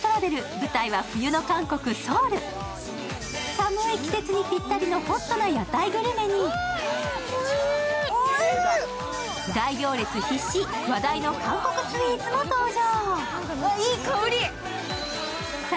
寒い季節にぴったりのホットな屋台グルメに台行列必至、話題の韓国スイーツも登場。